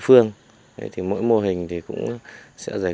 phương thì mỗi mô hình thì cũng sẽ giải